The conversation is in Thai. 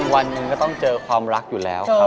วันหนึ่งก็ต้องเจอความรักอยู่แล้วครับ